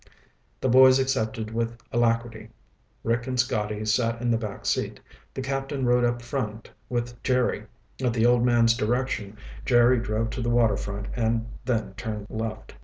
The boys accepted with alacrity. Rick and Scotty sat in the back seat; the captain rode up front with Jerry. At the old man's direction, Jerry drove to the water front and then turned left.